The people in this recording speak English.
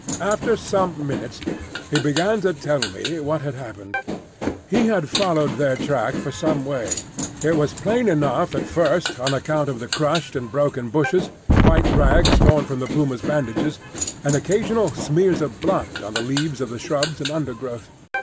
After some minutes he began to tell me what had happened. He had followed their track for some way. It was plain enough at first on account of the crushed and broken bushes, white rags torn from the puma's bandages, and occasional smears of blood on the leaves of the shrubs and undergrowth.